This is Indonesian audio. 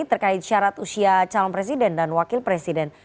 terkait syarat usia calon presiden dan wakil presiden